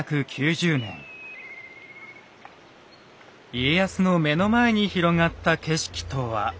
家康の目の前に広がった景色とは。